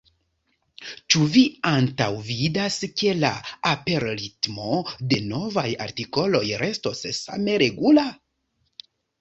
Ĉu vi antaŭvidas, ke la aperritmo de novaj artikoloj restos same regula?